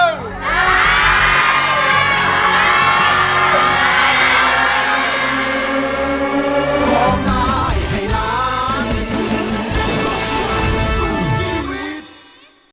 สวัสดีครับ